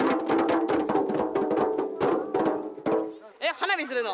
花火するの。